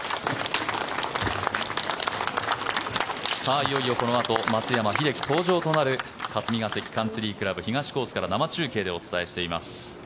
いよいよこのあと松山英樹登場となる霞ヶ関カンツリー倶楽部東コースから生中継でお伝えしています。